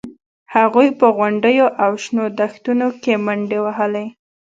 هغوی په غونډیو او شنو دښتونو کې منډې وهلې